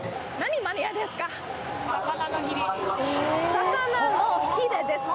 魚のヒレですか？